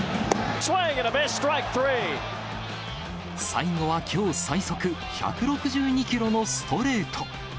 最後はきょう最速、１６２キロのストレート。